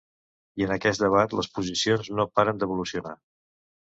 I en aquest debat les posicions no paren d’evolucionar.